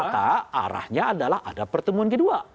maka arahnya adalah ada pertemuan kedua